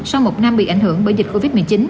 sau một năm bị ảnh hưởng bởi dịch covid một mươi chín